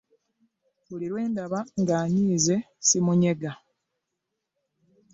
Buli lwe ndaba ng'anyiize ssimunyega.